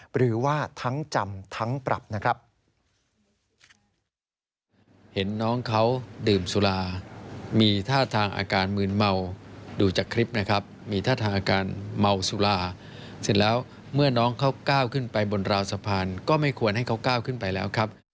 หรือว่าทั้งจำทั้งปรับนะครับ